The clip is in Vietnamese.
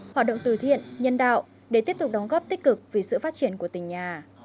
hoạt động từ thiện nhân đạo để tiếp tục đóng góp tích cực vì sự phát triển của tỉnh nhà